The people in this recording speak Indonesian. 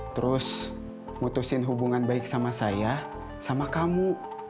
terus mutusin hubungan baik sama saya sama kamu